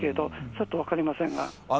ちょっと分かりませんが。